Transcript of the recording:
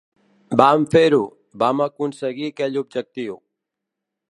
Vam fer-ho, vam aconseguir aquell objectiu.